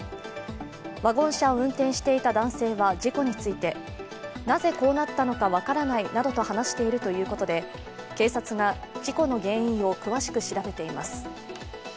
ワゴン車を運転していた男性は事故について、なぜこうなったのか分からないなどと話しているということで警察が事故の原因を詳しく調べています。